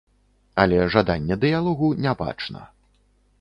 Але жадання дыялогу не бачна.